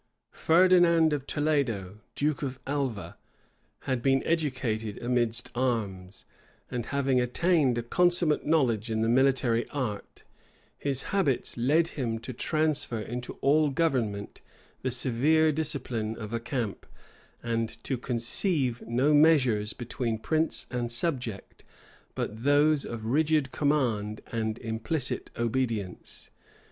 Ferdinand of Toledo, duke of Alva, had been educated amidst arms; and having attained a consummate knowledge in the military art, his habits led him to transfer into all government the severe discipline of a camp, and to conceive no measures between prince and subject but those of rigid command and implicit obedience.